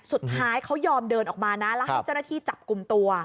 สุดท้ายเขายอมเดินออกมานะแล้วให้เจ้าหน้าที่จับกลุ่มตัว